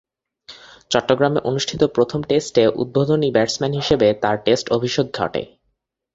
চট্টগ্রামে অনুষ্ঠিত প্রথম টেস্টে উদ্বোধনী ব্যাটসম্যান হিসেবে তার টেস্ট অভিষেক ঘটে।